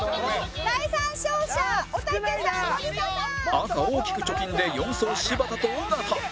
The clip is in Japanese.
赤大きく貯金で４走柴田と尾形